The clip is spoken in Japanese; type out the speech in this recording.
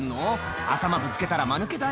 頭ぶつけたらマヌケだよ